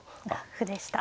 歩でした。